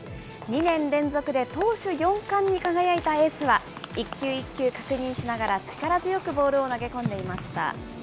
２年連続で投手４冠に輝いたエースは、一球一球確認しながら、力強くボールを投げ込んでいました。